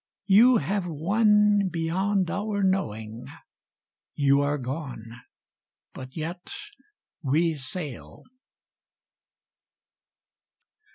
You have won beyond our knowings You are gone, but yet we sail.